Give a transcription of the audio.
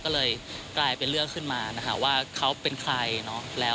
ก็เลยกลายเป็นเลือกขึ้นมาว่าเขาเป็นใคร